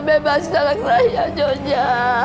bebaskan anak saya